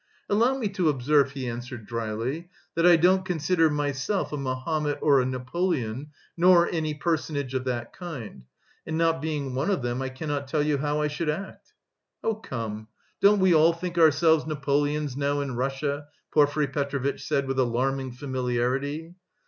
"Allow me to observe," he answered dryly, "that I don't consider myself a Mahomet or a Napoleon, nor any personage of that kind, and not being one of them I cannot tell you how I should act." "Oh, come, don't we all think ourselves Napoleons now in Russia?" Porfiry Petrovitch said with alarming familiarity.